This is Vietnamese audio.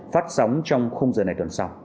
phát sóng trong khuôn mặt